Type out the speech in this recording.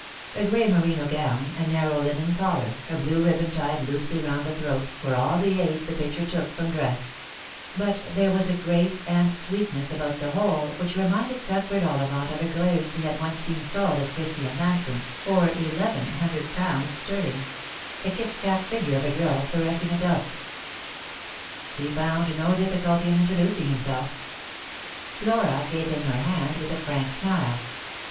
A gray merino gown, a narrow linen collar, a blue ribbon tied loosely round the throat, were all the aid the picture took from dress ; but there was a grace and sweetness about the whole which reminded Cuthbert Ollivant of a Greuse he had once seen sold at Christie and Manson's for eleven hundred pounds sterling — a kit cat figure of a girl caressing a dove. He found no difficulty in introducing himself. Flora gave him her hand with a frank smile.